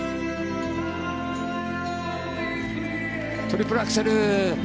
トリプルアクセル。